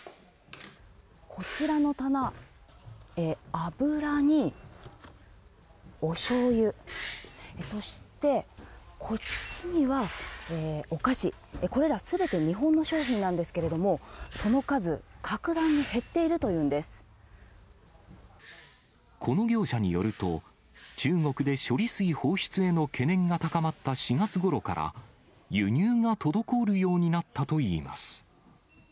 こちらの棚、油におしょうゆ、そして、こっちにはお菓子、これらすべて日本の商品なんですけれども、その数、この業者によると、中国で処理水放出への懸念が高まった４月ごろから、輸入が滞るようになったといいます。